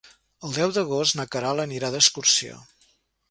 El deu d'agost na Queralt anirà d'excursió.